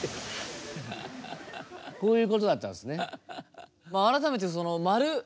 こういうことだったんですね。